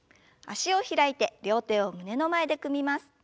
脚を開いて両手を胸の前で組みます。